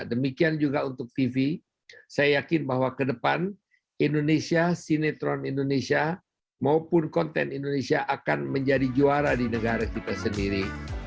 demikian juga untuk tv saya yakin bahwa ke depan indonesia sinetron indonesia maupun konten indonesia akan menjadi juara di negara kita sendiri